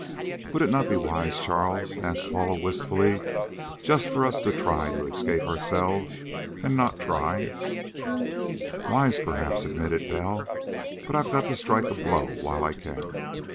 "Would it not be wise, Charles," asked Paula wistfully, "just for us to try to escape, ourselves, and not try " "Wise, perhaps," admitted Bell, "but I've got to strike a blow while I can."